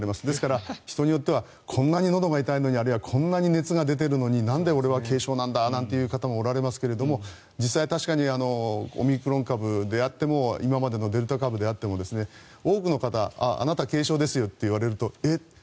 ですから人によってはこんなにのどが痛いのにこんなに熱が出てるのになんで俺は軽症なんだという方もおられますが実際に確かにオミクロン株であっても今までのデルタ株であっても多くの方あなた軽症ですといわれるとえっ？